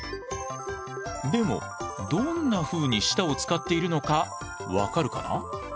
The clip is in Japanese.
でもどんなふうに舌を使っているのか分かるかな？